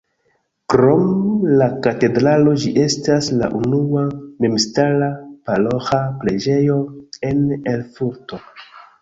Krom la katedralo ĝi estas la unua memstara paroĥa preĝejo en Erfurto.